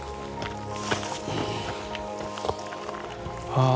ああ。